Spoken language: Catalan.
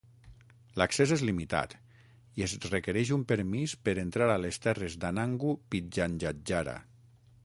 L'accés és limitat i es requereix un permís per entrar a les terres d'Anangu Pitjantjatjara.